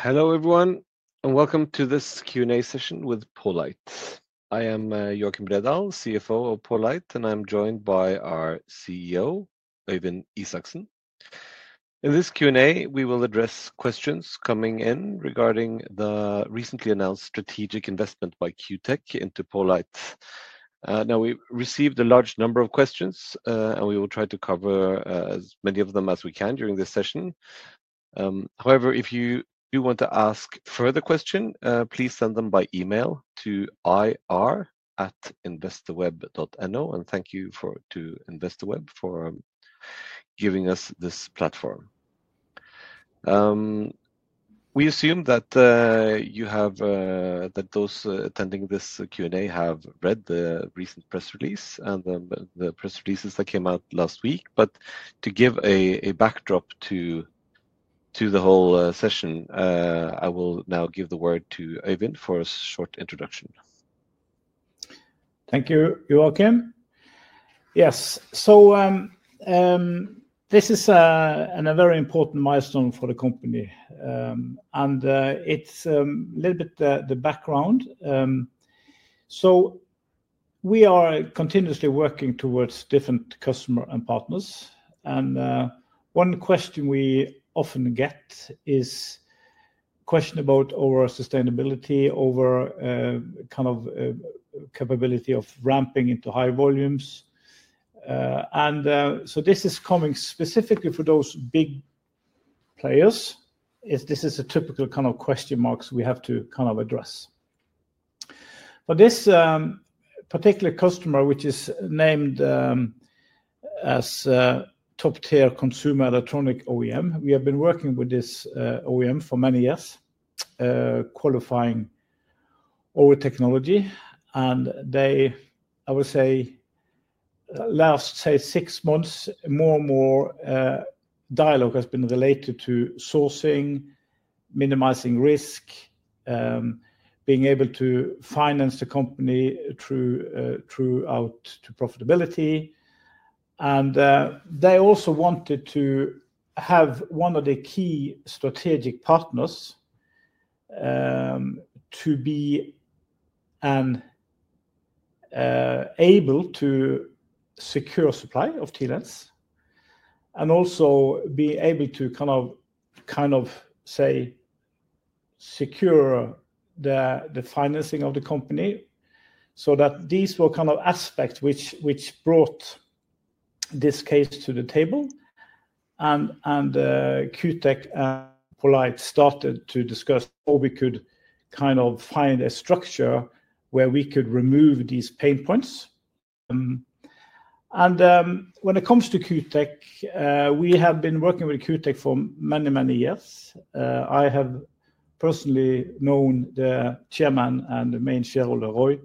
Hello everyone, and welcome to this Q&A session with poLight. I am Joakim Bredahl, CFO of poLight, and I'm joined by our CEO, Øyvind Isaksen. In this Q&A, we will address questions coming in regarding the recently announced strategic investment by Q Tech into poLight. Now, we received a large number of questions, and we will try to cover as many of them as we can during this session. However, if you do want to ask further questions, please send them by email to ir@investorweb.no. Thank you to InvestorWeb for giving us this platform. We assume that those attending this Q&A have read the recent press release and the press releases that came out last week. To give a backdrop to the whole session, I will now give the word to Øyvind for a short introduction. Thank you, Joakim. Yes. This is a very important milestone for the company. It is a little bit the background. We are continuously working towards different customers and partners. One question we often get is a question about overall sustainability, over kind of capability of ramping into high volumes. This is coming specifically for those big players. This is a typical kind of question mark we have to address. For this particular customer, which is named as top-tier consumer electronic OEM, we have been working with this OEM for many years, qualifying all the technology. They, I would say, last, say, six months, more and more dialogue has been related to sourcing, minimizing risk, being able to finance the company throughout to profitability. They also wanted to have one of the key strategic partners to be able to secure supply of TLens and also be able to, kind of say, secure the financing of the company. These were aspects which brought this case to the table. Q Tech and poLight started to discuss how we could kind of find a structure where we could remove these pain points. When it comes to Q Tech, we have been working with Q Tech for many, many years. I have personally known the Chairman and the main shareholder, Roy,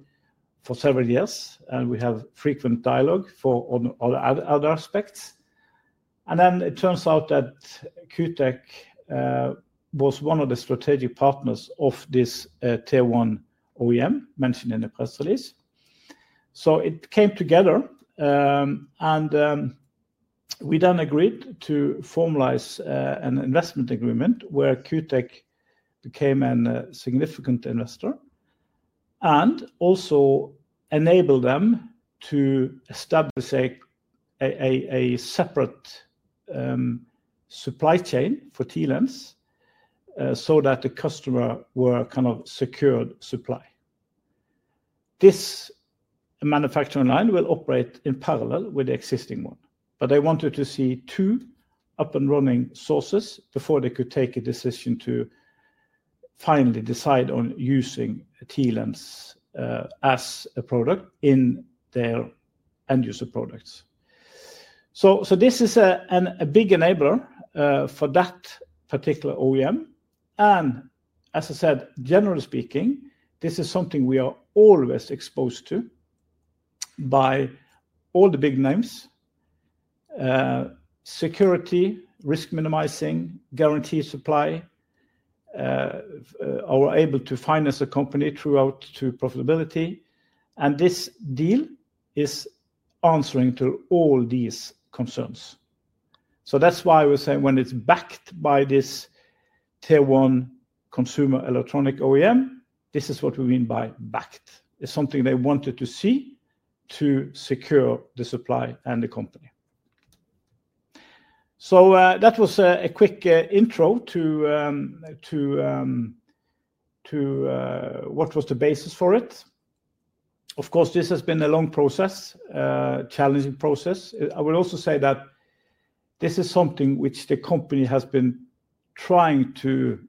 for several years, and we have frequent dialogue for other aspects. It turns out that Q Tech was one of the strategic partners of this tier one OEM mentioned in the press release. It came together, and we then agreed to formalize an investment agreement where Q Tech became a significant investor and also enabled them to establish a separate supply chain for TLens so that the customer were kind of secured supply. This manufacturing line will operate in parallel with the existing one, but they wanted to see two up and running sources before they could take a decision to finally decide on using TLens as a product in their end user products. This is a big enabler for that particular OEM. As I said, generally speaking, this is something we are always exposed to by all the big names: security, risk minimizing, guaranteed supply, or able to finance a company throughout to profitability. This deal is answering to all these concerns. That's why I was saying when it's backed by this tier one consumer electronic OEM, this is what we mean by backed. It's something they wanted to see to secure the supply and the company. That was a quick intro to what was the basis for it. Of course, this has been a long process, a challenging process. I would also say that this is something which the company has been trying to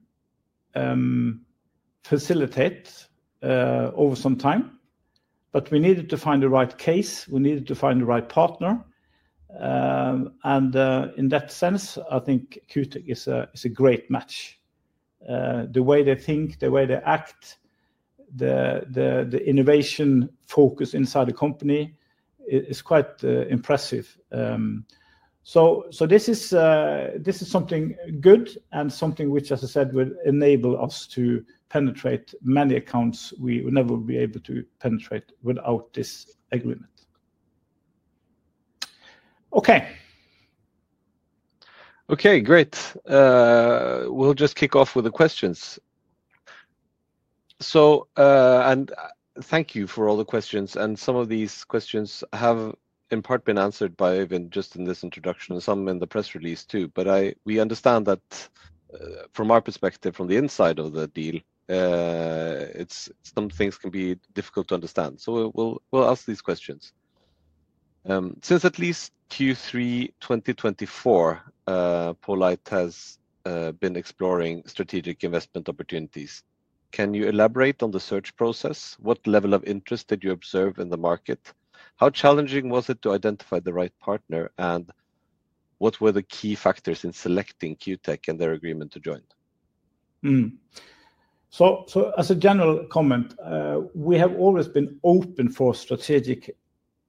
facilitate over some time, but we needed to find the right case. We needed to find the right partner. In that sense, I think Q Tech is a great match. The way they think, the way they act, the innovation focus inside the company is quite impressive. This is something good and something which, as I said, would enable us to penetrate many accounts we would never be able to penetrate without this agreement. Okay. Okay, great. We'll just kick off with the questions. Thank you for all the questions. Some of these questions have in part been answered by Øyvind just in this introduction and some in the press release too. We understand that from our perspective, from the inside of the deal, some things can be difficult to understand. We will ask these questions. Since at least Q3 2024, poLight has been exploring strategic investment opportunities. Can you elaborate on the search process? What level of interest did you observe in the market? How challenging was it to identify the right partner? What were the key factors in selecting Q Tech and their agreement to join? As a general comment, we have always been open for strategic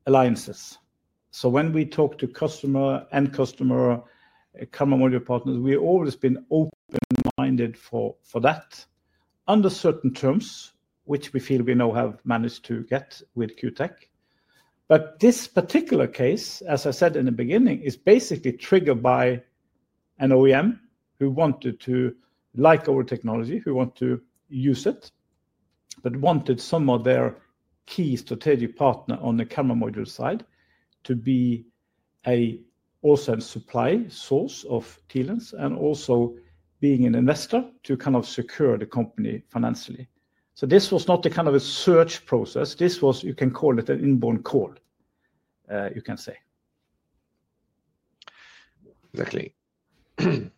alliances. When we talk to customer and customer camera module partners, we have always been open-minded for that under certain terms, which we feel we now have managed to get with Q Tech. This particular case, as I said in the beginning, is basically triggered by an OEM who wanted to like our technology, who want to use it, but wanted some of their key strategic partner on the camera module side to be also a supply source of TLens and also being an investor to kind of secure the company financially. This was not the kind of a search process. This was, you can call it an inborn call, you can say. Exactly. A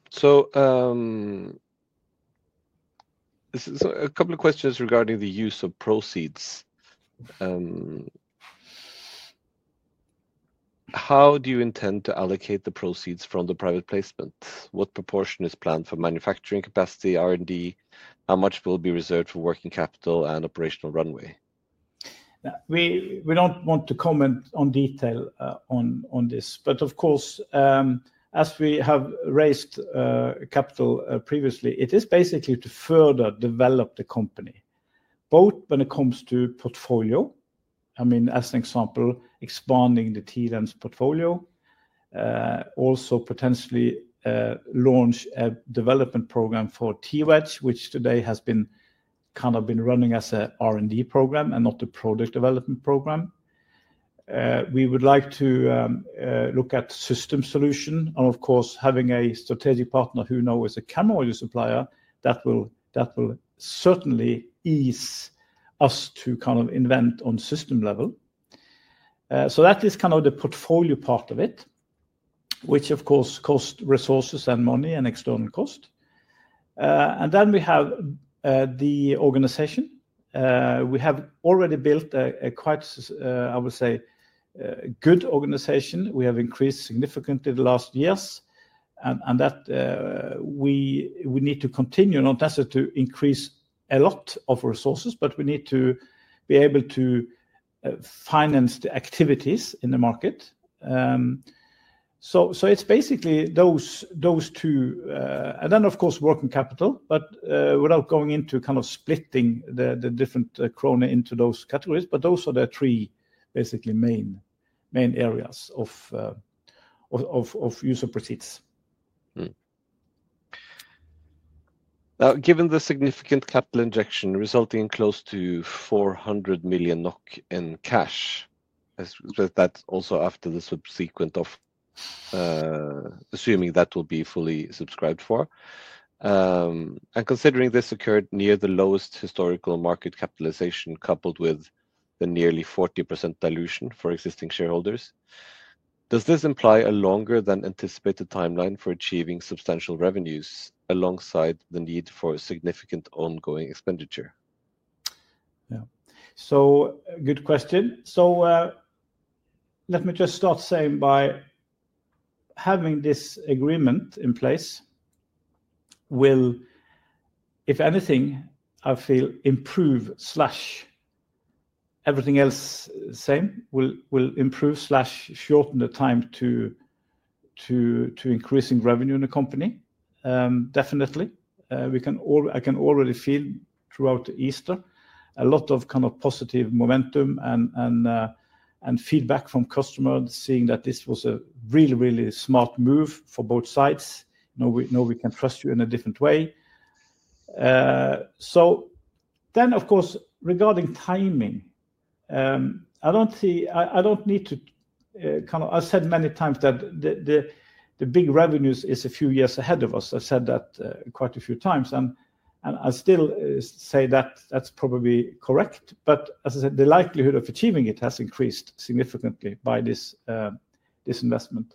couple of questions regarding the use of proceeds. How do you intend to allocate the proceeds from the private placement? What proportion is planned for manufacturing capacity, R&D? How much will be reserved for working capital and operational runway? We don't want to comment in detail on this, but of course, as we have raised capital previously, it is basically to further develop the company, both when it comes to portfolio. I mean, as an example, expanding the TLens portfolio, also potentially launch a development program for TWedge, which today has been kind of been running as an R&D program and not a product development program. We would like to look at system solution and, of course, having a strategic partner who now is a camera module supplier. That will certainly ease us to kind of invent on system level. That is kind of the portfolio part of it, which of course costs resources and money and external cost. We have the organization. We have already built a quite, I would say, good organization. We have increased significantly the last years. We need to continue, not necessarily to increase a lot of resources, but we need to be able to finance the activities in the market. It is basically those two. Of course, working capital, but without going into splitting the different krone into those categories. Those are the three basically main areas of user proceeds. Now, given the significant capital injection resulting in close to 400 million NOK in cash, that's also after the subsequent of assuming that will be fully subscribed for. Considering this occurred near the lowest historical market capitalization coupled with the nearly 40% dilution for existing shareholders, does this imply a longer than anticipated timeline for achieving substantial revenues alongside the need for significant ongoing expenditure? Yeah. Good question. Let me just start saying by having this agreement in place will, if anything, I feel improve slash everything else same, will improve slash shorten the time to increasing revenue in the company. Definitely. I can already feel throughout Easter a lot of kind of positive momentum and feedback from customers seeing that this was a really, really smart move for both sides. Now we can trust you in a different way. Of course, regarding timing, I don't need to kind of, I said many times that the big revenues is a few years ahead of us. I said that quite a few times. I still say that that's probably correct. As I said, the likelihood of achieving it has increased significantly by this investment.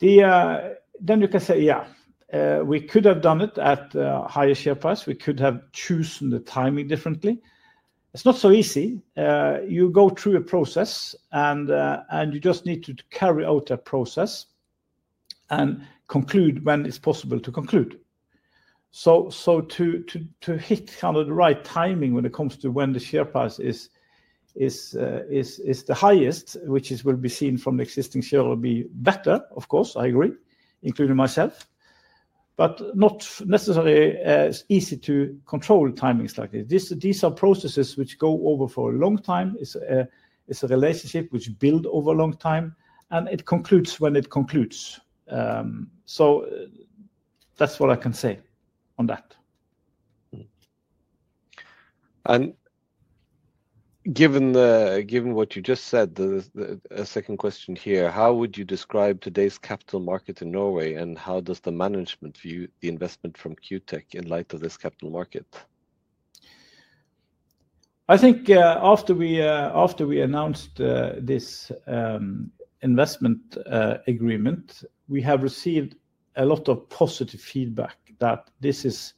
You can say, yeah, we could have done it at a higher share price. We could have chosen the timing differently. It's not so easy. You go through a process and you just need to carry out that process and conclude when it's possible to conclude. To hit kind of the right timing when it comes to when the share price is the highest, which will be seen from the existing share, will be better, of course, I agree, including myself, but not necessarily easy to control timings like this. These are processes which go over for a long time. It's a relationship which builds over a long time, and it concludes when it concludes. That's what I can say on that. Given what you just said, a second question here. How would you describe today's capital market in Norway, and how does the management view the investment from Q Tech in light of this capital market? I think after we announced this investment agreement, we have received a lot of positive feedback that this is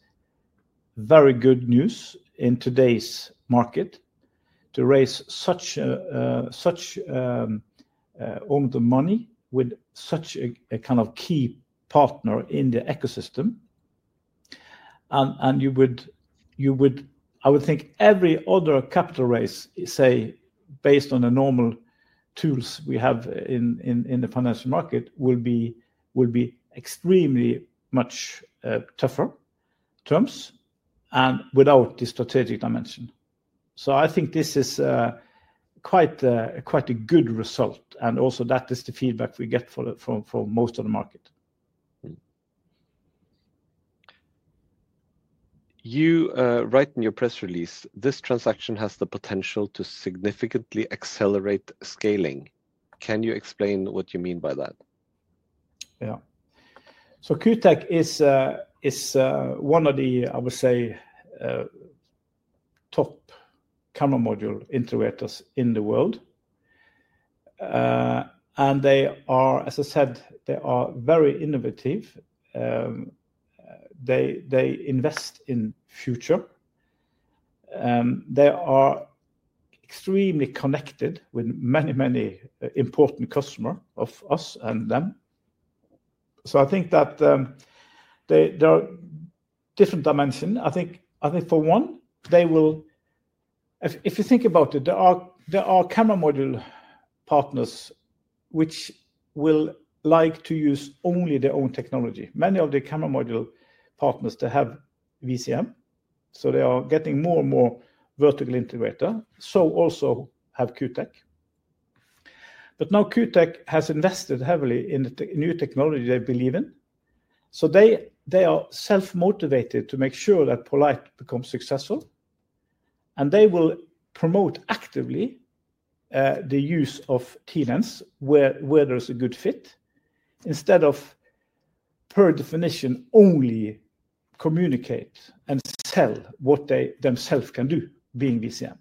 very good news in today's market to raise all the money with such a kind of key partner in the ecosystem. You would, I would think every other capital raise, say, based on the normal tools we have in the financial market, will be extremely much tougher terms and without the strategic dimension. I think this is quite a good result. That is the feedback we get from most of the market. You write in your press release, this transaction has the potential to significantly accelerate scaling. Can you explain what you mean by that? Yeah. Q Tech is one of the, I would say, top camera module integrators in the world. They are, as I said, very innovative. They invest in the future. They are extremely connected with many, many important customers of us and them. I think that there are different dimensions. I think for one, they will, if you think about it, there are camera module partners which will like to use only their own technology. Many of the camera module partners, they have VCM. They are getting more and more vertically integrated. Q Tech also has that. Now Q Tech has invested heavily in the new technology they believe in. They are self-motivated to make sure that poLight becomes successful. They will promote actively the use of TLens where there's a good fit instead of per definition only communicate and sell what they themselves can do being VCM.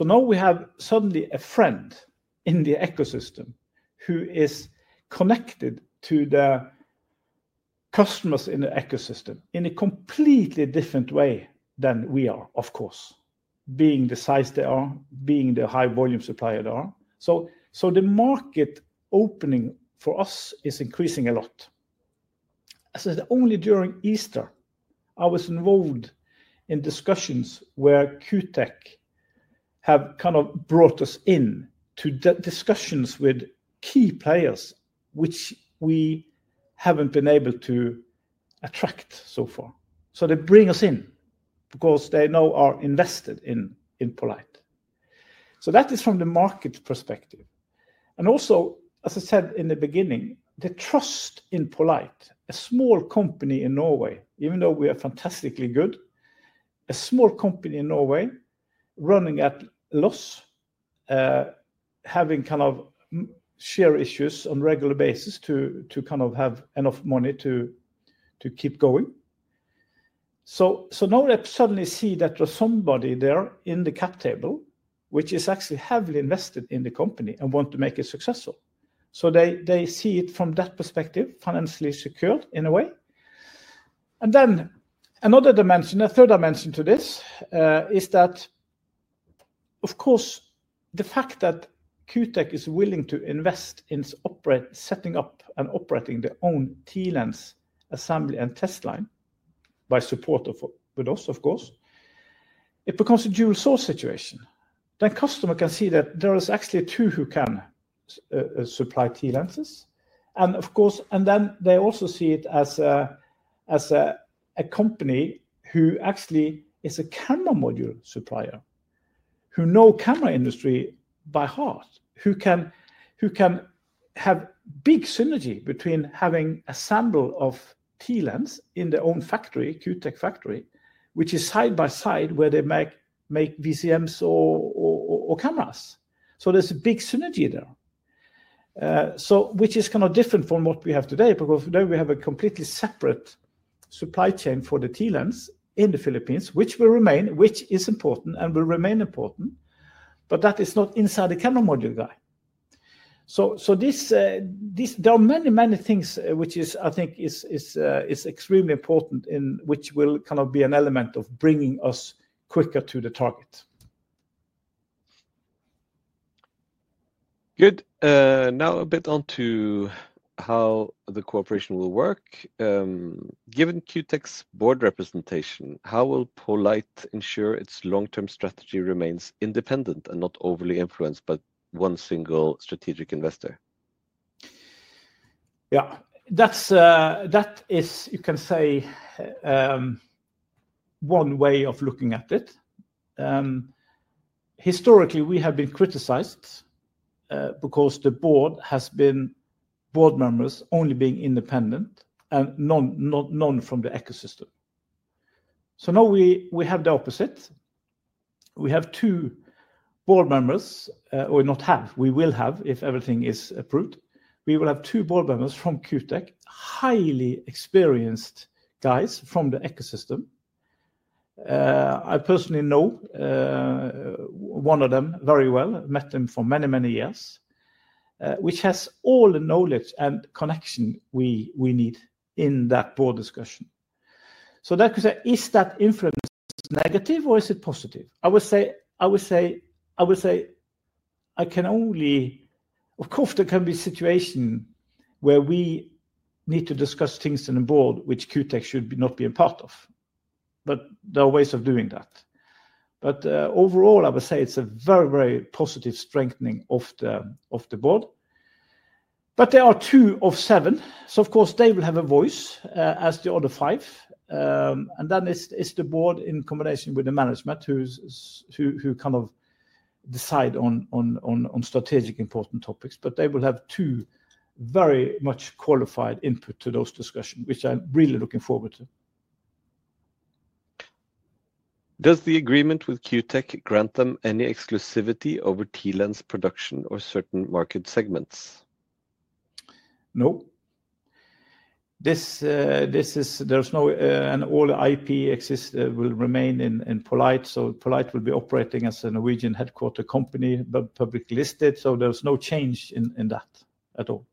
Now we have suddenly a friend in the ecosystem who is connected to the customers in the ecosystem in a completely different way than we are, of course, being the size they are, being the high volume supplier they are. The market opening for us is increasing a lot. As I said, only during Easter, I was involved in discussions where Q Tech have kind of brought us in to discussions with key players which we haven't been able to attract so far. They bring us in because they now are invested in poLight. That is from the market perspective. As I said in the beginning, the trust in poLight, a small company in Norway, even though we are fantastically good, a small company in Norway running at loss, having kind of share issues on a regular basis to kind of have enough money to keep going. Now they suddenly see that there's somebody there in the cap table, which is actually heavily invested in the company and want to make it successful. They see it from that perspective, financially secured in a way. Another dimension, a third dimension to this is that, of course, the fact that Q Tech is willing to invest in setting up and operating their own TLens assembly and test line by support of with us, of course, it becomes a dual source situation. Customers can see that there is actually two who can supply TLens. Of course, they also see it as a company who actually is a camera module supplier who knows the camera industry by heart, who can have big synergy between having a sample of TLens in their own factory, Q Technology Group factory, which is side by side where they make VCMs or cameras. There is a big synergy there, which is kind of different from what we have today because now we have a completely separate supply chain for the TLens in the Philippines, which will remain, which is important and will remain important, but that is not inside the camera module guy. There are many, many things which I think is extremely important and which will kind of be an element of bringing us quicker to the target. Good. Now a bit onto how the cooperation will work. Given Q Tech's board representation, how will poLight ensure its long-term strategy remains independent and not overly influenced by one single strategic investor? Yeah, that is, you can say, one way of looking at it. Historically, we have been criticized because the board has been board members only being independent and none from the ecosystem. Now we have the opposite. We have two board members, or not have, we will have if everything is approved. We will have two board members from Q Tech, highly experienced guys from the ecosystem. I personally know one of them very well, met him for many, many years, which has all the knowledge and connection we need in that board discussion. That could say, is that influence negative or is it positive? I would say I can only, of course, there can be a situation where we need to discuss things in the board which Q Tech should not be a part of, but there are ways of doing that. Overall, I would say it's a very, very positive strengthening of the board. There are two of seven. Of course, they will have a voice as the other five. It is the board in combination with the management who kind of decide on strategic important topics, but they will have two very much qualified input to those discussions, which I'm really looking forward to. Does the agreement with Q Tech grant them any exclusivity over TLens production or certain market segments? No. There's no, and all the IP will remain in poLight. So poLight will be operating as a Norwegian headquarter company, but publicly listed. So there's no change in that at all.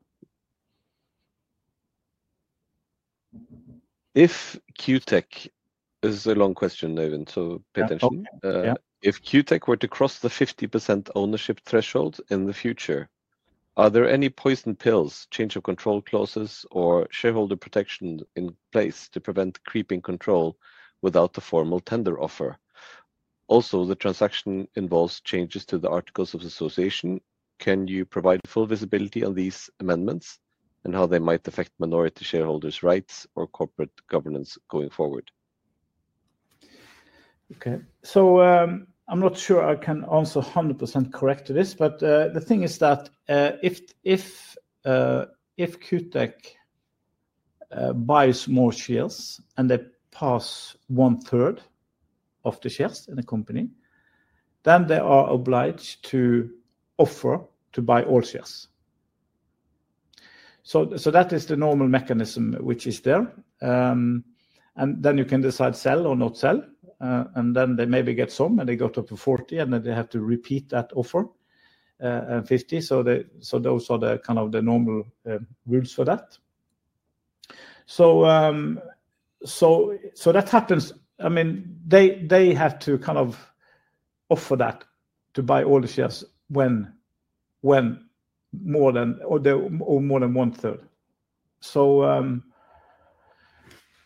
If Q Tech, this is a long question, Nevin, so pay attention. If Q Tech were to cross the 50% ownership threshold in the future, are there any poison pills, change of control clauses, or shareholder protection in place to prevent creeping control without a formal tender offer? Also, the transaction involves changes to the Articles of Association. Can you provide full visibility on these amendments and how they might affect minority shareholders' rights or corporate governance going forward? Okay. I'm not sure I can answer 100% correct to this, but the thing is that if Q Tech buys more shares and they pass one third of the shares in the company, then they are obliged to offer to buy all shares. That is the normal mechanism which is there. You can decide sell or not sell. They maybe get some and they go to 40 and then they have to repeat that offer at 50. Those are kind of the normal rules for that. That happens. I mean, they have to kind of offer to buy all the shares when more than or more than one third.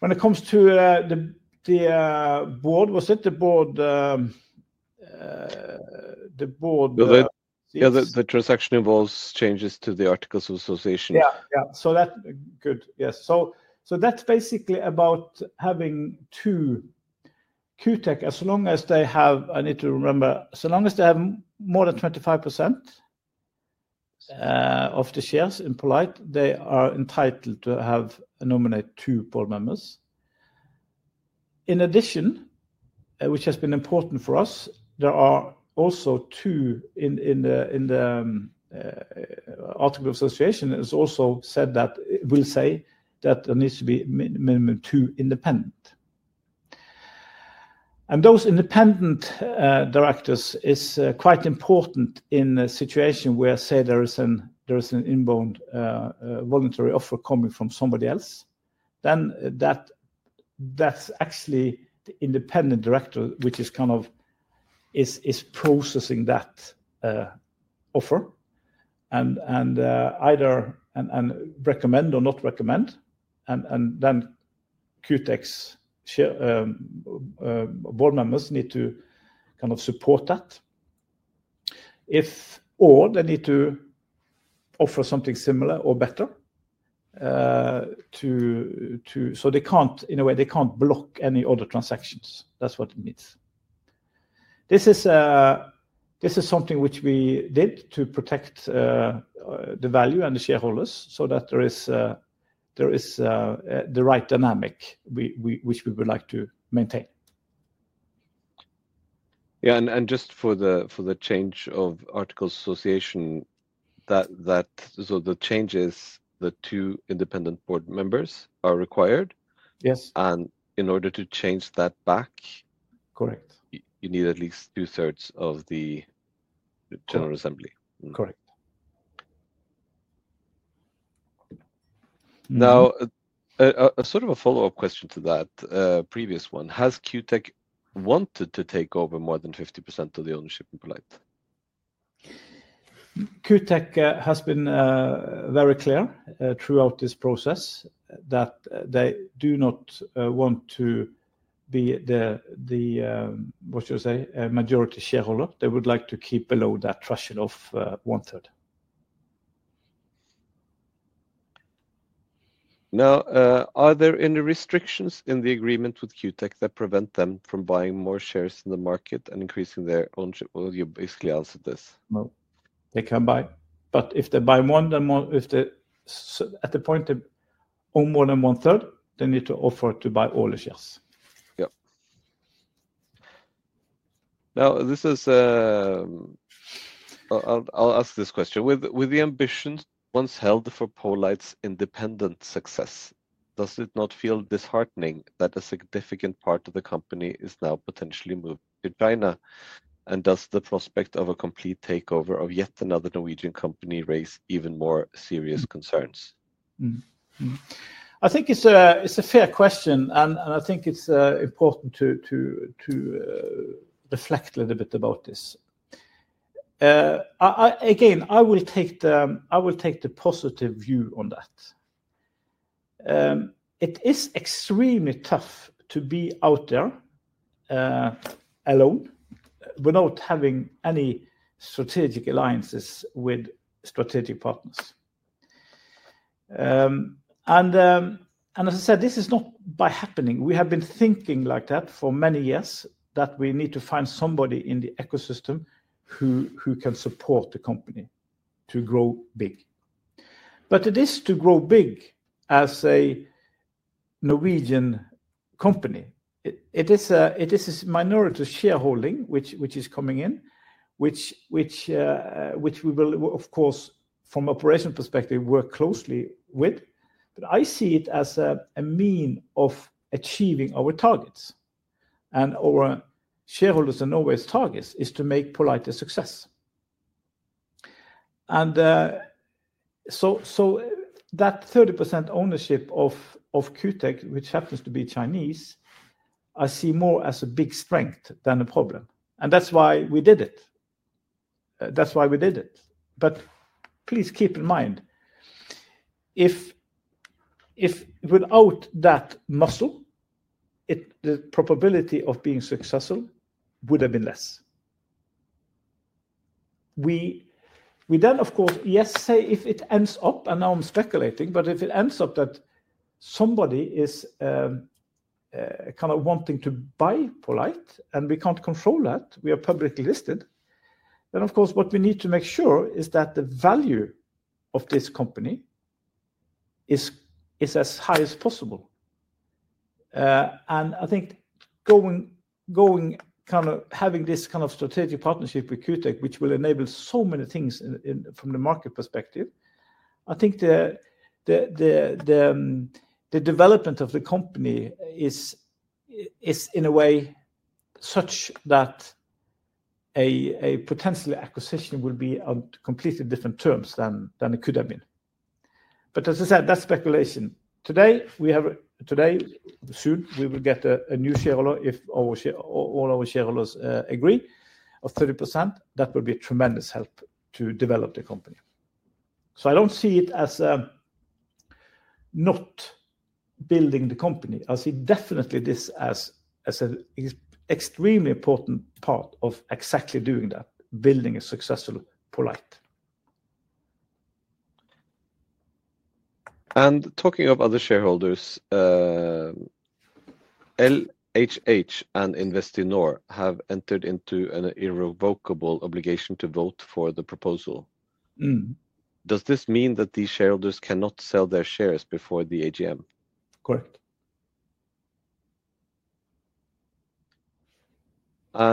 When it comes to the board, was it the board? Yeah, the transaction involves changes to the Articles of Association. Yeah. Yeah. That's good. Yes. That's basically about having two Q Tech. As long as they have, I need to remember, as long as they have more than 25% of the shares in poLight, they are entitled to nominate two board members. In addition, which has been important for us, there are also two in the Articles of Association. It also says that there needs to be minimum two independent. Those independent directors are quite important in a situation where, say, there is an inbound voluntary offer coming from somebody else. That's actually the independent director, which is processing that offer and either recommend or not recommend. Q Tech's board members need to support that. Or they need to offer something similar or better. In a way, they can't block any other transactions. That's what it means. This is something which we did to protect the value and the shareholders so that there is the right dynamic which we would like to maintain. Yeah. Just for the change of Articles of Association, the changes, the two independent board members are required. In order to change that back, you need at least two thirds of the general assembly. Correct. Now, sort of a follow-up question to that previous one. Has Q Tech wanted to take over more than 50% of the ownership in poLight? Group has been very clear throughout this process that they do not want to be the, what should I say, majority shareholder. They would like to keep below that threshold of 1/3. Now, are there any restrictions in the agreement with Q Tech that prevent them from buying more shares in the market and increasing their ownership? You basically answered this. No. They can buy. If they buy one, if at the point they own more than one third, they need to offer to buy all the shares. Yeah. Now, I'll ask this question. With the ambitions once held for poLight's independent success, does it not feel disheartening that a significant part of the company is now potentially moved to China? Does the prospect of a complete takeover of yet another Norwegian company raise even more serious concerns? I think it's a fair question. I think it's important to reflect a little bit about this. Again, I will take the positive view on that. It is extremely tough to be out there alone without having any strategic alliances with strategic partners. As I said, this is not by happening. We have been thinking like that for many years that we need to find somebody in the ecosystem who can support the company to grow big. It is to grow big as a Norwegian company. It is this minority shareholding which is coming in, which we will, of course, from operational perspective, work closely with. I see it as a mean of achieving our targets. Our shareholders and Norway's targets is to make poLight a success. That 30% ownership of Q Tech, which happens to be Chinese, I see more as a big strength than a problem. That is why we did it. That is why we did it. Please keep in mind, if without that muscle, the probability of being successful would have been less. We then, of course, yes, say if it ends up, and now I am speculating, but if it ends up that somebody is kind of wanting to buy poLight and we cannot control that, we are publicly listed, then of course, what we need to make sure is that the value of this company is as high as possible. I think going kind of having this kind of strategic partnership with Q Tech, which will enable so many things from the market perspective, I think the development of the company is in a way such that a potential acquisition will be on completely different terms than it could have been. As I said, that's speculation. Today, soon, we will get a new shareholder if all our shareholders agree of 30%. That will be a tremendous help to develop the company. I do not see it as not building the company. I see definitely this as an extremely important part of exactly doing that, building a successful poLight. Talking of other shareholders, LHH and Investinor have entered into an irrevocable obligation to vote for the proposal. Does this mean that these shareholders cannot sell their shares before the AGM?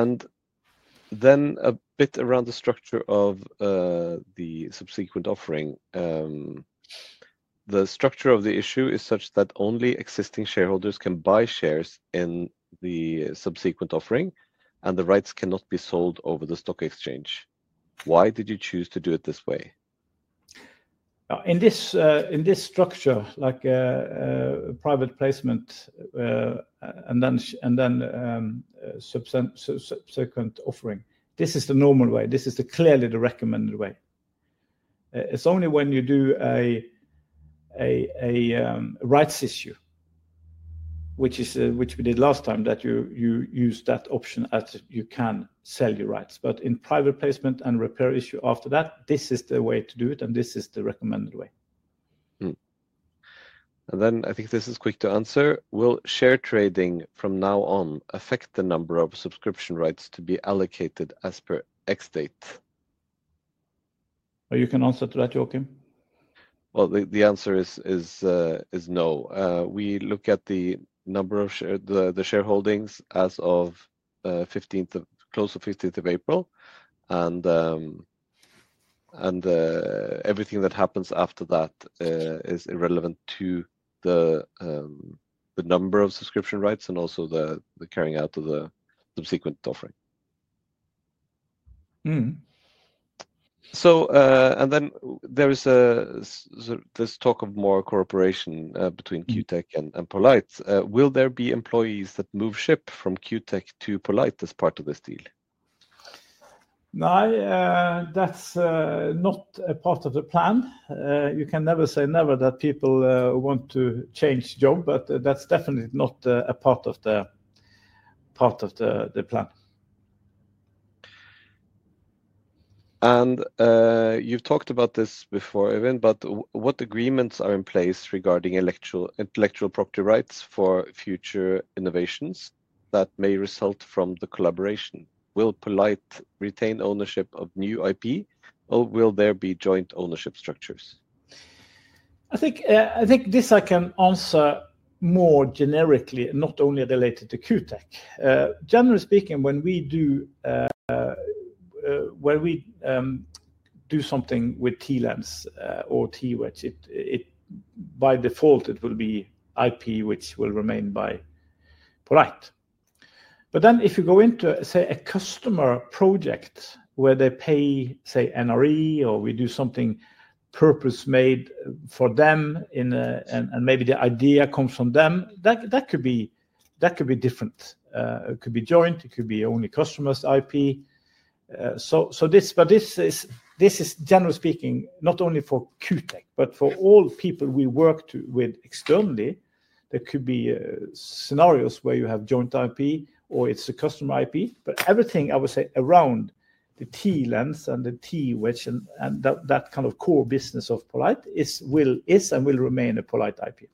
Correct. A bit around the structure of the subsequent offering. The structure of the issue is such that only existing shareholders can buy shares in the subsequent offering and the rights cannot be sold over the stock exchange. Why did you choose to do it this way? In this structure, like private placement and then subsequent offering, this is the normal way. This is clearly the recommended way. It's only when you do a rights issue, which we did last time, that you use that option as you can sell your rights. In private placement and repair issue after that, this is the way to do it and this is the recommended way. I think this is quick to answer. Will share trading from now on affect the number of subscription rights to be allocated as per X date? You can answer to that, Joakim. The answer is no. We look at the number of the shareholdings as of close to 15th of April. Everything that happens after that is irrelevant to the number of subscription rights and also the carrying out of the subsequent offering. There is this talk of more cooperation between Q Tech and poLight. Will there be employees that move ship from Q Tech to poLight as part of this deal? No, that's not a part of the plan. You can never say never that people want to change job, but that's definitely not a part of the plan. You've talked about this before, Øyvind, but what agreements are in place regarding intellectual property rights for future innovations that may result from the collaboration? Will poLight retain ownership of new IP or will there be joint ownership structures? I think this I can answer more generically, not only related to Q Tech. Generally speaking, when we do something with TLens or TWedge, by default, it will be IP which will remain by poLight. If you go into, say, a customer project where they pay, say, NRE or we do something purpose-made for them and maybe the idea comes from them, that could be different. It could be joint, it could be only customer's IP. This is, generally speaking, not only for Q Tech, but for all people we work with externally, there could be scenarios where you have joint IP or it's a customer IP. Everything, I would say, around the TLens and the TWedge and that kind of core business of poLight is and will remain a poLight IP.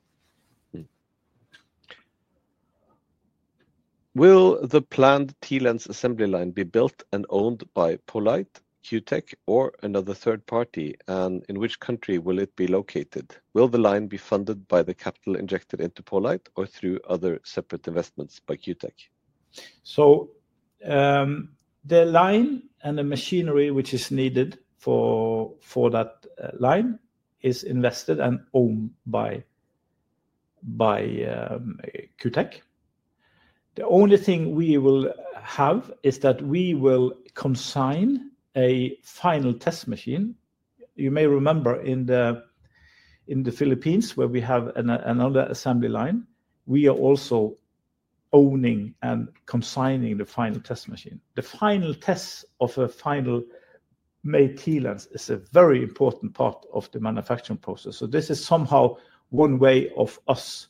Will the planned TLens assembly line be built and owned by poLight, Q Tech, or another third party? In which country will it be located? Will the line be funded by the capital injected into poLight or through other separate investments by Q Tech? The line and the machinery which is needed for that line is invested and owned by Q Tech. The only thing we will have is that we will consign a final test machine. You may remember in the Philippines where we have another assembly line, we are also owning and consigning the final test machine. The final test of a final made TLens is a very important part of the manufacturing process. This is somehow one way of us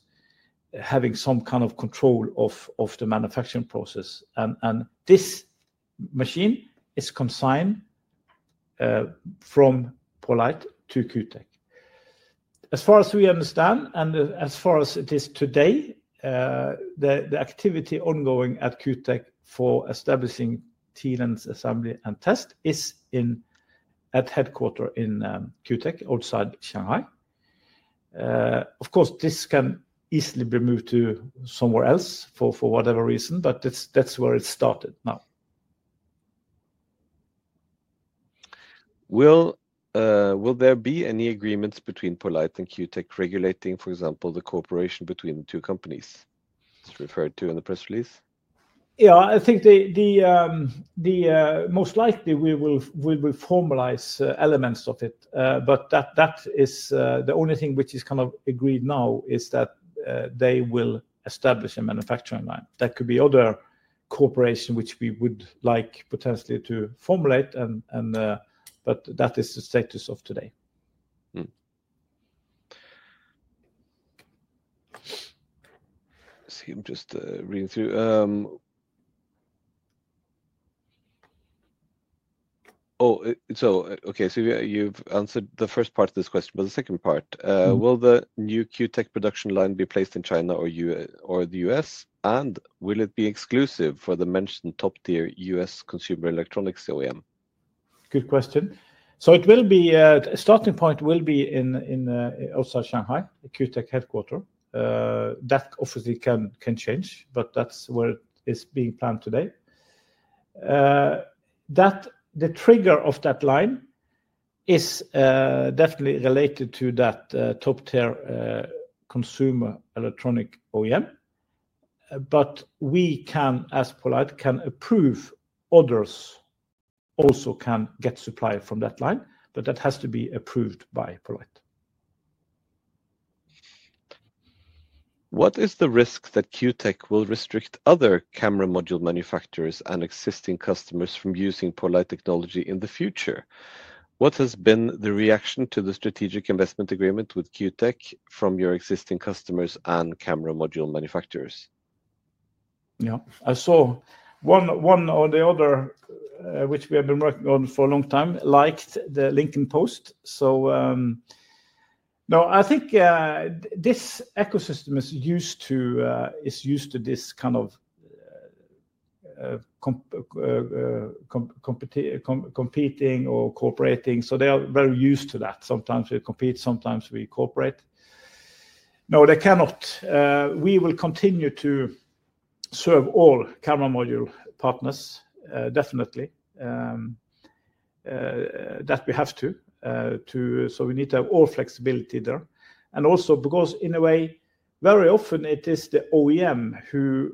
having some kind of control of the manufacturing process. This machine is consigned from poLight to Q Tech. As far as we understand and as far as it is today, the activity ongoing at Q Tech for establishing TLens assembly and test is at headquarter in Q Tech outside Shanghai. Of course, this can easily be moved to somewhere else for whatever reason, but that's where it started now. Will there be any agreements between poLight and Q Tech regulating, for example, the cooperation between the two companies referred to in the press release? Yeah, I think most likely we will formalize elements of it. That is the only thing which is kind of agreed now is that they will establish a manufacturing line. That could be other cooperation which we would like potentially to formulate, but that is the status of today. Let's see, I'm just reading through. Oh, okay, so you've answered the first part of this question, but the second part. Will the new Q Tech production line be placed in China or the U.S.? And will it be exclusive for the mentioned top-tier U.S. consumer electronics OEM? Good question. The starting point will be outside Shanghai, Q Tech headquarter. That obviously can change, but that is where it is being planned today. The trigger of that line is definitely related to that top-tier consumer electronic OEM. We can, as poLight, approve others also can get supply from that line, but that has to be approved by poLight. What is the risk that Q Tech will restrict other camera module manufacturers and existing customers from using poLight technology in the future? What has been the reaction to the strategic investment agreement with Q Tech from your existing customers and camera module manufacturers? Yeah, I saw one or the other which we have been working on for a long time, liked the LinkedIn post. I think this ecosystem is used to this kind of competing or cooperating. They are very used to that. Sometimes we compete, sometimes we cooperate. No, they cannot. We will continue to serve all camera module partners, definitely, that we have to. We need to have all flexibility there. Also because in a way, very often it is the OEM who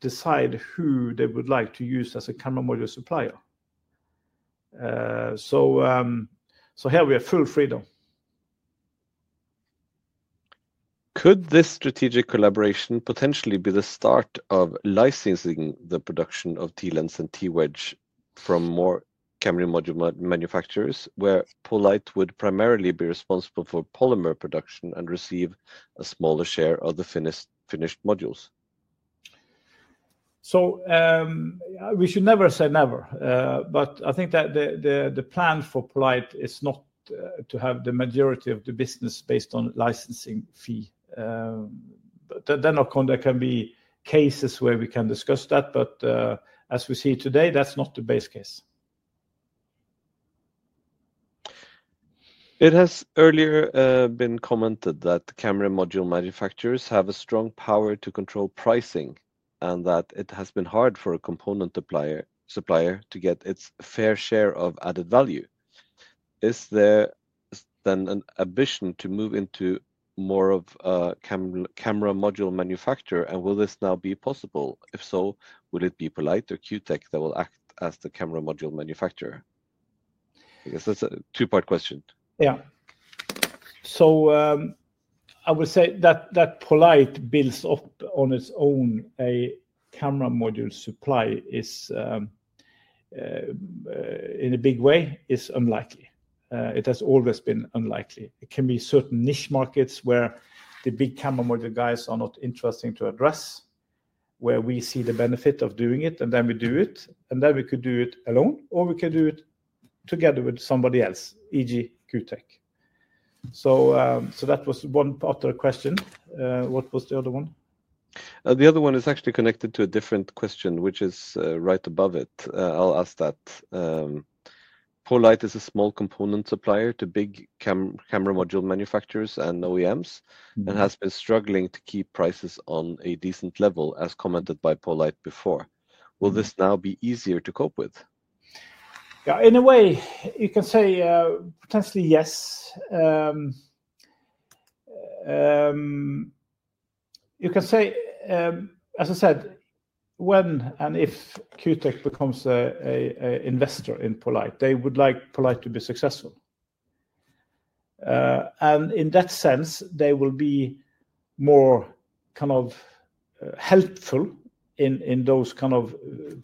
decides who they would like to use as a camera module supplier. Here we have full freedom. Could this strategic collaboration potentially be the start of licensing the production of TLens and TWedge from more camera module manufacturers where poLight would primarily be responsible for polymer production and receive a smaller share of the finished modules? We should never say never. I think that the plan for poLight is not to have the majority of the business based on licensing fee. There can be cases where we can discuss that, but as we see today, that's not the base case. It has earlier been commented that camera module manufacturers have a strong power to control pricing and that it has been hard for a component supplier to get its fair share of added value. Is there then an ambition to move into more of a camera module manufacturer? Will this now be possible? If so, will it be poLight or Q Tech that will act as the camera module manufacturer? I guess that's a two-part question. Yeah. I would say that poLight builds up on its own a camera module supply in a big way is unlikely. It has always been unlikely. It can be certain niche markets where the big camera module guys are not interesting to address, where we see the benefit of doing it and then we do it. Then we could do it alone or we could do it together with somebody else, e.g., Q Tech. That was one part of the question. What was the other one? The other one is actually connected to a different question, which is right above it. I'll ask that. poLight is a small component supplier to big camera module manufacturers and OEMs and has been struggling to keep prices on a decent level, as commented by poLight before. Will this now be easier to cope with? Yeah, in a way, you can say potentially yes. You can say, as I said, when and if Q Tech becomes an investor in poLight, they would like poLight to be successful. In that sense, they will be more kind of helpful in those kind of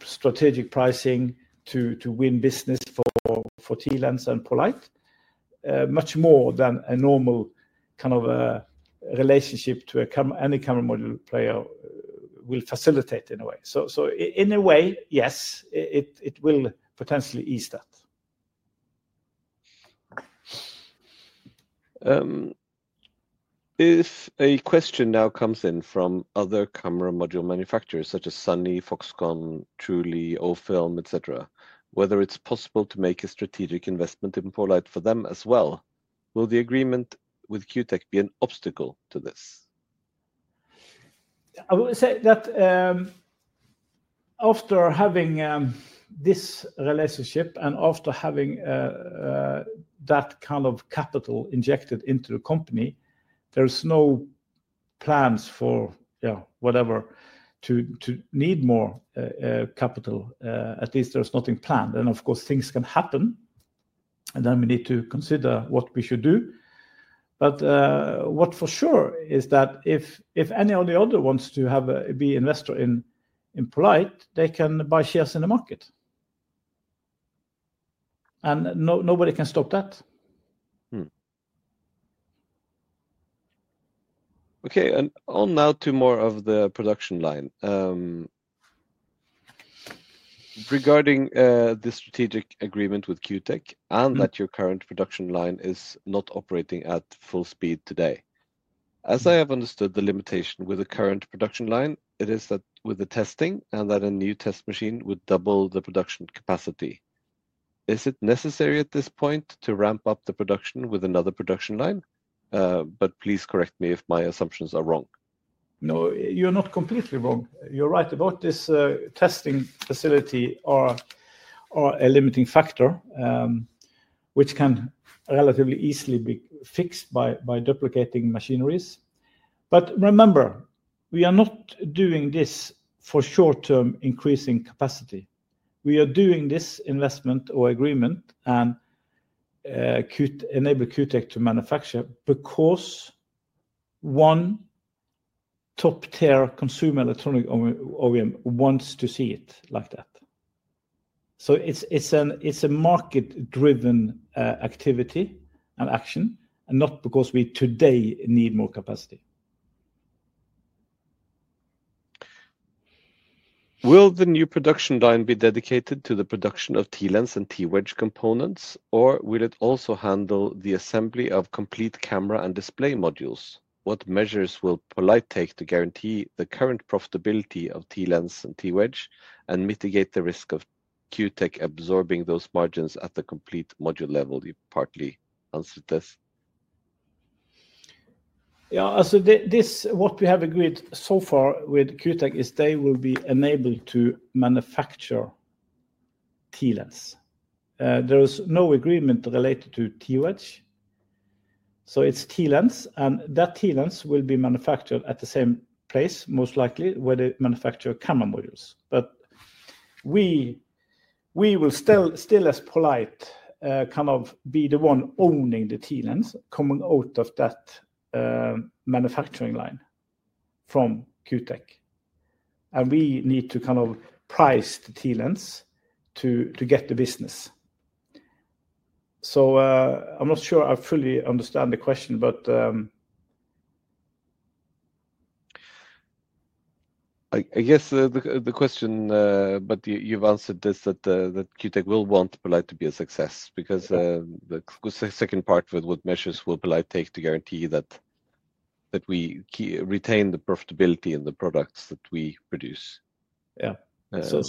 strategic pricing to win business for TLens and poLight, much more than a normal kind of relationship to any camera module player will facilitate in a way. In a way, yes, it will potentially ease that. If a question now comes in from other camera module manufacturers such as Sunny, Foxconn, Truly, OFILM, etc., whether it's possible to make a strategic investment in poLight for them as well, will the agreement with Q Tech be an obstacle to this? I would say that after having this relationship and after having that kind of capital injected into the company, there are no plans for whatever to need more capital. At least there's nothing planned. Of course, things can happen. We need to consider what we should do. What for sure is that if any of the other wants to be an investor in poLight, they can buy shares in the market. Nobody can stop that. Okay, and on now to more of the production line. Regarding the strategic agreement with Q Tech and that your current production line is not operating at full speed today. As I have understood the limitation with the current production line, it is that with the testing and that a new test machine would double the production capacity. Is it necessary at this point to ramp up the production with another production line? Please correct me if my assumptions are wrong. No, you're not completely wrong. You're right about this testing facility is a limiting factor, which can relatively easily be fixed by duplicating machineries. Remember, we are not doing this for short-term increasing capacity. We are doing this investment or agreement and enable Q Tech to manufacture because one top-tier consumer electronic OEM wants to see it like that. It is a market-driven activity and action, not because we today need more capacity. Will the new production line be dedicated to the production of TLens and TWedge components, or will it also handle the assembly of complete camera and display modules? What measures will poLight take to guarantee the current profitability of TLens and TWedge and mitigate the risk of Q Tech absorbing those margins at the complete module level? You partly answered this. Yeah, so what we have agreed so far with Q Tech is they will be enabled to manufacture TLens. There is no agreement related to TWedge. It is TLens. And that TLens will be manufactured at the same place, most likely, where they manufacture camera modules. We will still, as poLight, kind of be the one owning the TLens coming out of that manufacturing line from Q Tech. We need to kind of price the TLens to get the business. I am not sure I fully understand the question, but. I guess the question, but you've answered this, that Q Tech will want poLight to be a success because the second part of what measures will poLight take to guarantee that we retain the profitability in the products that we produce. Yeah.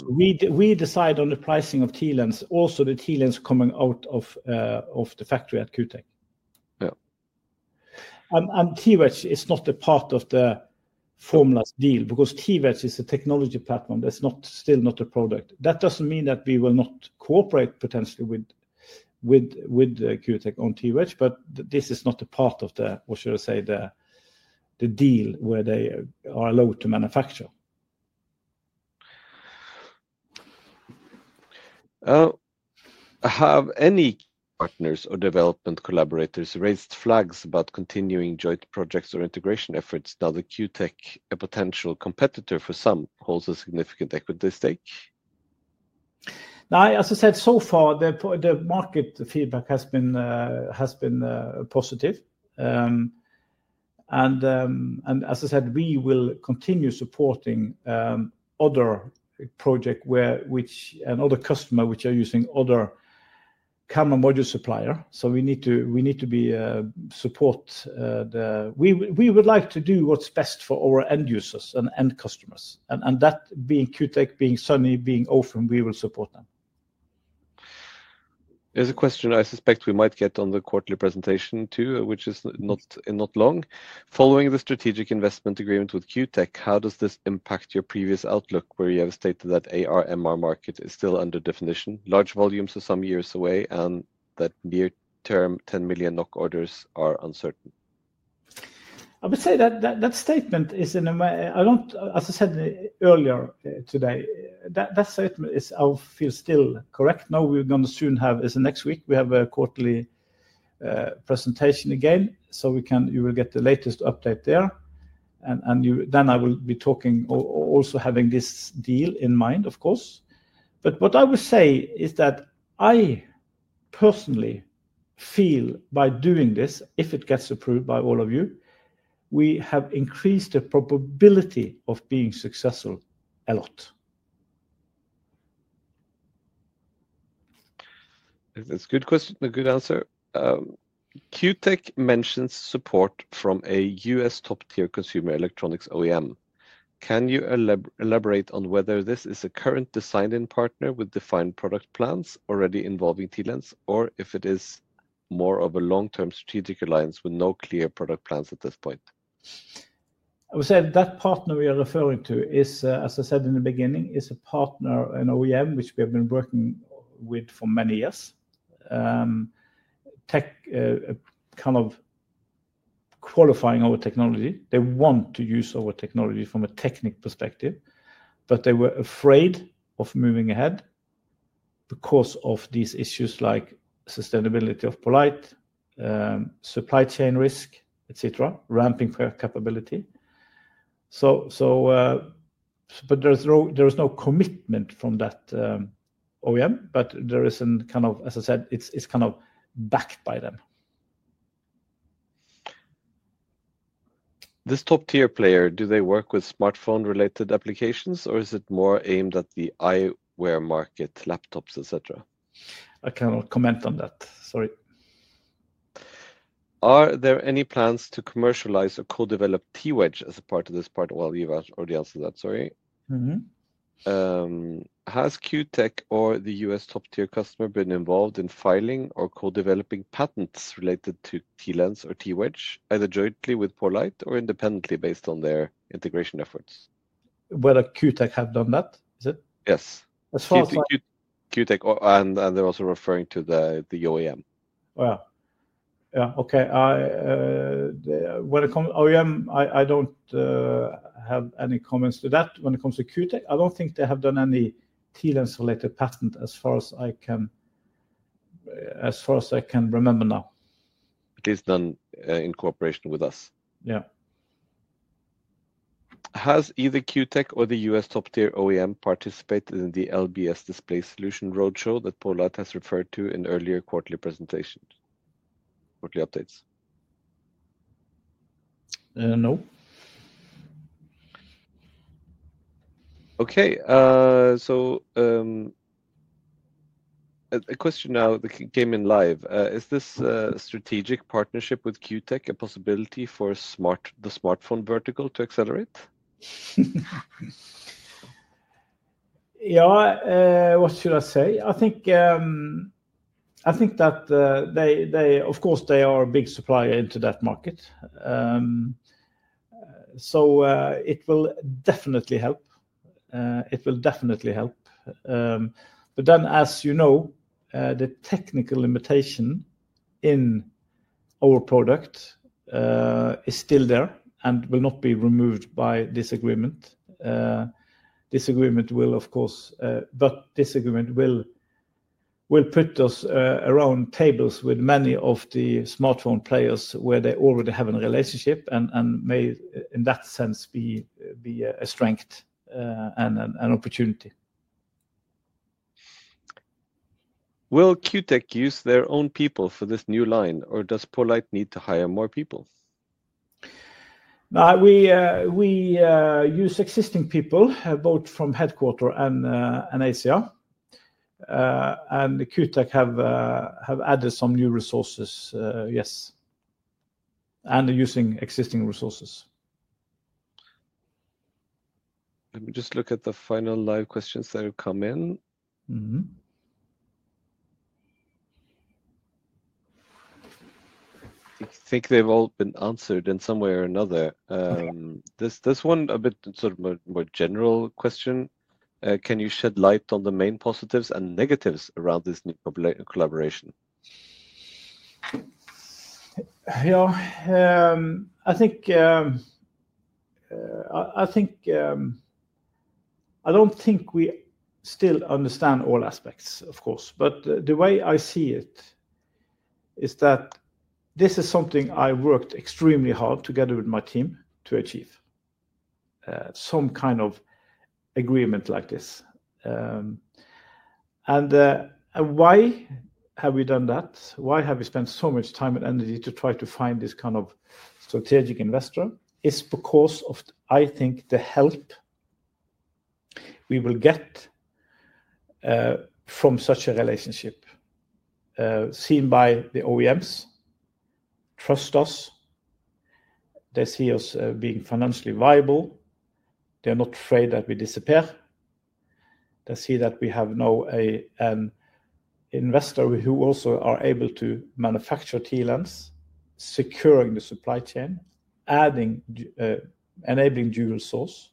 We decide on the pricing of TLens, also the TLens coming out of the factory at Q Tech. TWedge is not a part of the formalized deal because TWedge is a technology platform. That's still not a product. That doesn't mean that we will not cooperate potentially with Q Tech on TWedge, but this is not a part of the, what should I say, the deal where they are allowed to manufacture. Have any partners or development collaborators raised flags about continuing joint projects or integration efforts? Now, the Q Tech, a potential competitor for some, holds a significant equity stake? No, as I said, so far, the market feedback has been positive. As I said, we will continue supporting other projects and other customers which are using other camera module suppliers. We need to support the we would like to do what's best for our end users and end customers. That being Q Tech, being Sunny, being OFILM, we will support them. There's a question I suspect we might get on the quarterly presentation too, which is not long. Following the strategic investment agreement with Q Tech, how does this impact your previous outlook where you have stated that AR/MR market is still under definition, large volumes are some years away, and that near-term 10 million NOK orders are uncertain? I would say that statement is in a way I don't, as I said earlier today, that statement is I feel still correct. No, we're going to soon have, it's next week, we have a quarterly presentation again. You will get the latest update there. I will be talking or also having this deal in mind, of course. What I would say is that I personally feel by doing this, if it gets approved by all of you, we have increased the probability of being successful a lot. That's a good question, a good answer. Q Tech mentions support from a U.S. top-tier consumer electronics OEM. Can you elaborate on whether this is a current design-in partner with defined product plans already involving TLens, or if it is more of a long-term strategic alliance with no clear product plans at this point? I would say that partner we are referring to is, as I said in the beginning, is a partner, an OEM, which we have been working with for many years, kind of qualifying our technology. They want to use our technology from a technic perspective, but they were afraid of moving ahead because of these issues like sustainability of poLight, supply chain risk, etc., ramping capability. There is no commitment from that OEM, but there is kind of, as I said, it's kind of backed by them. This top-tier player, do they work with smartphone-related applications, or is it more aimed at the eyewear market, laptops, etc.? I cannot comment on that. Sorry. Are there any plans to commercialize or co-develop TWedge as a part of this part? You've already answered that, sorry. Has Q Tech or the US top-tier customer been involved in filing or co-developing patents related to TLens or TWedge, either jointly with poLight or independently based on their integration efforts? Q Tech have done that, is it? Yes. As far as. Q Tech, and they're also referring to the OEM. Yeah, okay. When it comes to OEM, I don't have any comments to that. When it comes to Q Tech, I don't think they have done any TLens-related patent as far as I can remember now. It is done in cooperation with us. Yeah. Has either Q Tech or the U.S. top-tier OEM participated in the LBS display solution roadshow that poLight has referred to in earlier quarterly presentations, quarterly updates? No. Okay. A question now that came in live. Is this strategic partnership with Q Tech a possibility for the smartphone vertical to accelerate? Yeah, what should I say? I think that they, of course, they are a big supplier into that market. It will definitely help. It will definitely help. As you know, the technical limitation in our product is still there and will not be removed by this agreement. This agreement will, of course, put us around tables with many of the smartphone players where they already have a relationship and may, in that sense, be a strength and an opportunity. Will Q Tech use their own people for this new line, or does poLight need to hire more people? No, we use existing people, both from headquarter and ACR. Q Tech have added some new resources, yes, and using existing resources. Let me just look at the final live questions that have come in. I think they've all been answered in some way or another. There's one, a bit sort of more general question. Can you shed light on the main positives and negatives around this new collaboration? Yeah, I think I don't think we still understand all aspects, of course. The way I see it is that this is something I worked extremely hard together with my team to achieve, some kind of agreement like this. Why have we done that? Why have we spent so much time and energy to try to find this kind of strategic investor? It's because of, I think, the help we will get from such a relationship seen by the OEMs trust us. They see us being financially viable. They're not afraid that we disappear. They see that we have now an investor who also is able to manufacture TLens, securing the supply chain, enabling dual source.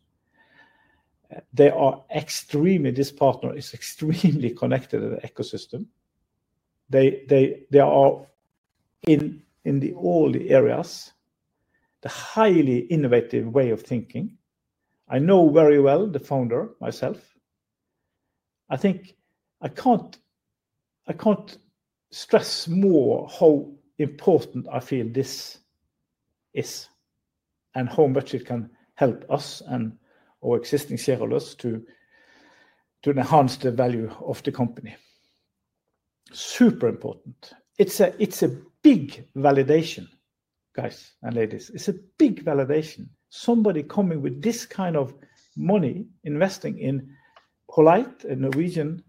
This partner is extremely connected to the ecosystem. They are in all the areas, the highly innovative way of thinking. I know very well the founder myself. I think I can't stress more how important I feel this is and how much it can help us and our existing shareholders to enhance the value of the company. Super important. It's a big validation, guys and ladies. It's a big validation. Somebody coming with this kind of money, investing in poLight, a Norwegian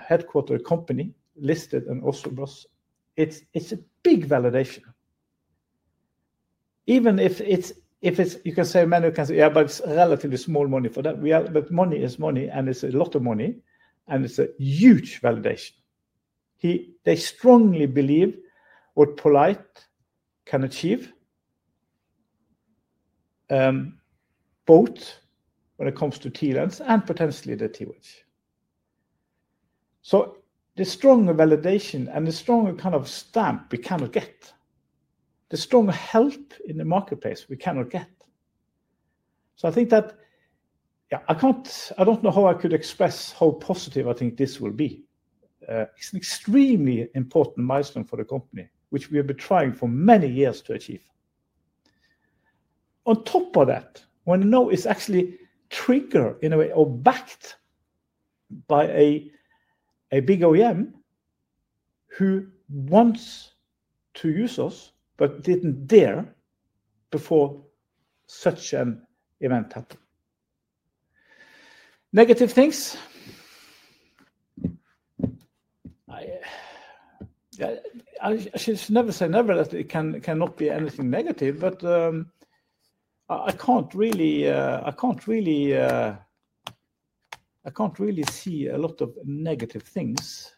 headquarter company listed in Oslo Bros, it's a big validation. Even if you can say many can say, "Yeah, but it's relatively small money for that." Money is money, and it's a lot of money, and it's a huge validation. They strongly believe what poLight can achieve, both when it comes to TLens and potentially the TWedge. The stronger validation and the stronger kind of stamp we cannot get, the stronger help in the marketplace we cannot get. I think that, yeah, I don't know how I could express how positive I think this will be. It's an extremely important milestone for the company, which we have been trying for many years to achieve. On top of that, when now it's actually triggered in a way or backed by a big OEM who wants to use us but didn't dare before such an event happened. Negative things? I should never say never that it cannot be anything negative, but I can't really see a lot of negative things.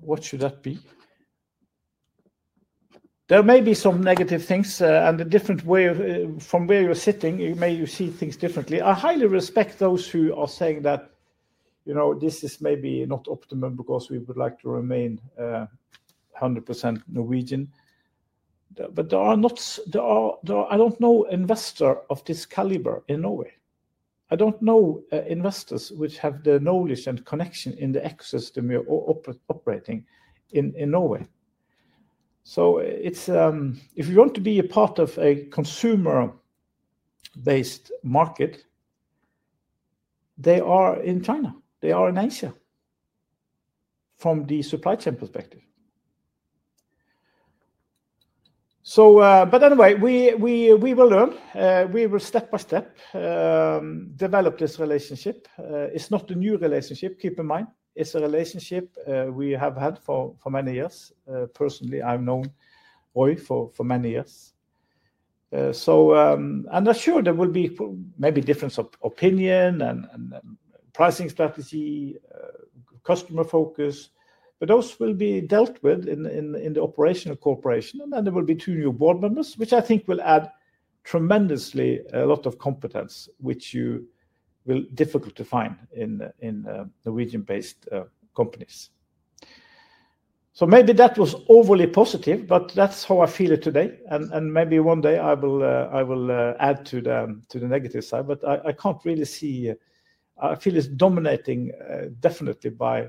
What should that be? There may be some negative things and a different way from where you're sitting, you may see things differently. I highly respect those who are saying that this is maybe not optimum because we would like to remain 100% Norwegian. There are not, I don't know, investors of this caliber in Norway. I don't know investors which have the knowledge and connection in the ecosystem we are operating in Norway. If you want to be a part of a consumer-based market, they are in China. They are in Asia from the supply chain perspective. Anyway, we will learn. We will step by step develop this relationship. It's not a new relationship, keep in mind. It's a relationship we have had for many years. Personally, I've known Roy for many years. I'm sure there will be maybe difference of opinion and pricing strategy, customer focus, but those will be dealt with in the operational cooperation. There will be two new board members, which I think will add tremendously a lot of competence, which will be difficult to find in Norwegian-based companies. Maybe that was overly positive, but that's how I feel it today. Maybe one day I will add to the negative side, but I can't really see. I feel it's dominating definitely by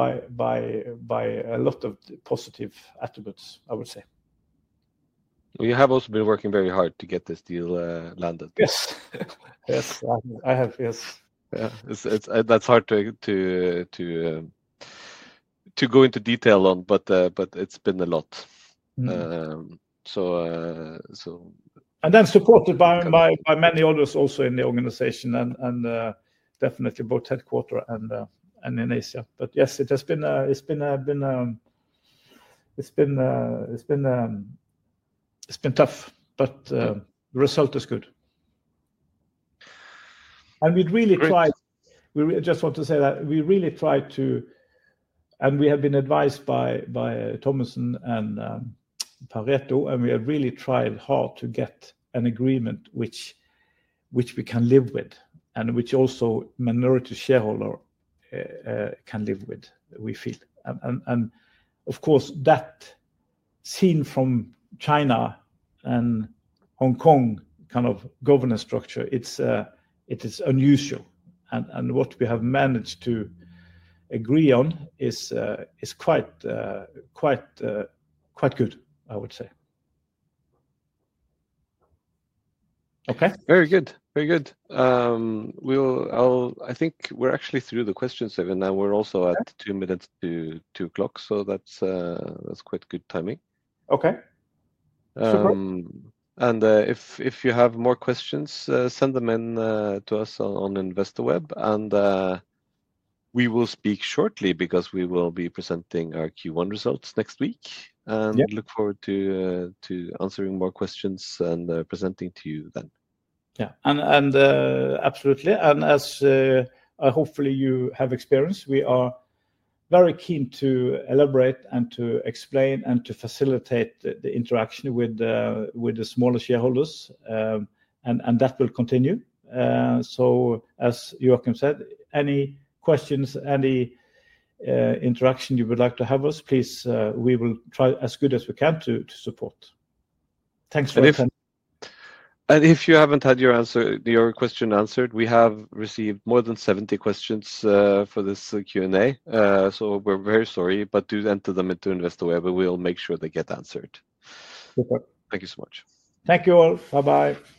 a lot of positive attributes, I would say. You have also been working very hard to get this deal landed. Yes. Yes, I have, yes. That's hard to go into detail on, but it's been a lot. Supported by many others also in the organization, and definitely both headquarter and in Asia. Yes, it has been tough, but the result is good. We really tried to, I just want to say that we really tried to, and we have been advised by Thomoson and Perreto, and we have really tried hard to get an agreement which we can live with and which also minority shareholders can live with, we feel. Of course, that seen from China and Hong Kong kind of governance structure, it is unusual. What we have managed to agree on is quite good, I would say. Okay? Very good. Very good. I think we're actually through the questions even now. We're also at two minutes to two o'clock, so that's quite good timing. Okay. Super. If you have more questions, send them in to us on InvestorWeb, and we will speak shortly because we will be presenting our Q1 results next week. We look forward to answering more questions and presenting to you then. Yeah, absolutely. As hopefully you have experienced, we are very keen to elaborate and to explain and to facilitate the interaction with the smaller shareholders, and that will continue. As Joakim said, any questions, any interaction you would like to have with us, please, we will try as good as we can to support. Thanks for your time. If you haven't had your question answered, we have received more than 70 questions for this Q&A, so we're very sorry, but do enter them into InvestorWeb, and we'll make sure they get answered. Super. Thank you so much. Thank you all. Bye-bye. Good.